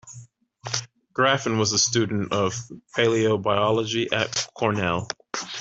Graffin was a student of paleobiology at Cornell.